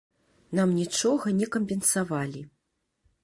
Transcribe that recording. Нам нічога не кампенсавалі.